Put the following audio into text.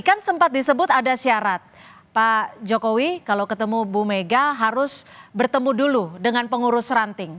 kan sempat disebut ada syarat pak jokowi kalau ketemu bu mega harus bertemu dulu dengan pengurus ranting